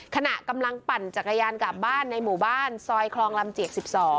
ขณะกำลังปั่นจักรยานกลับบ้านในหมู่บ้านซอยคลองลำเจียก๑๒